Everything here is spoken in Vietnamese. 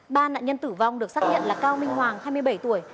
ba nạn nhân tử vong được xác nhận là cao minh hoàng hai mươi bảy tuổi